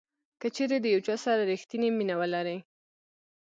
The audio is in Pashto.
کچیرې د یو چا سره ریښتینې مینه ولرئ.